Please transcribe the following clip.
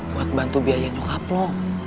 buat bantu biaya nyokap loh